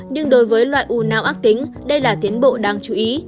nhưng đối với loại u não ác tính đây là tiến bộ đáng chú ý